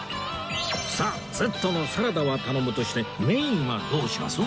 さあセットのサラダは頼むとしてメインはどうします？